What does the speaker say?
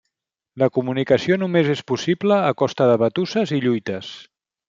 La comunicació només és possible a costa de batusses i lluites.